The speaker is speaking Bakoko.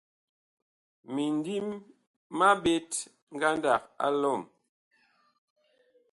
Mindim ma ɓet ngandag a lɔm.